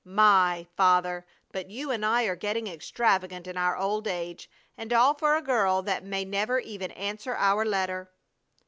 My! Father, but you and I are getting extravagant in our old age! and all for a girl that may never even answer our letter!"